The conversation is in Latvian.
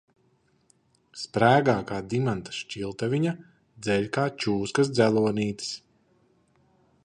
Sprēgā kā dimanta šķiltaviņa, dzeļ kā čūskas dzelonītis.